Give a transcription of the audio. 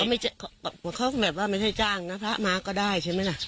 เขาแบบว่าไม่ให้จ้างนะพระมาก็ได้ใช่ไหมล่ะ